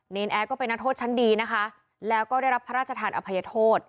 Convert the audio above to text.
นแอร์ก็เป็นนักโทษชั้นดีนะคะแล้วก็ได้รับพระราชทานอภัยโทษ